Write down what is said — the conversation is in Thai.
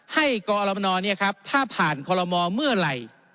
ให้กอมนเนี่ยครับถ้าผ่านกอมนเมื่อไหร่